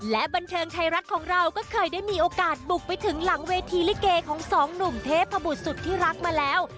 และบันเทิงไทยรัฐของเราก็เคยได้มีโอกาสบุกไปถึงหลังเวทีลิเกของสองหนุ่มเทพบุตรสุดที่รักมาแล้ว